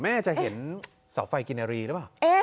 แม่จะเห็นเสาไฟกิณรีไหม